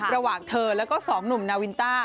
ระหว่างเธอแล้วก็๒หนุ่มนาวินต้า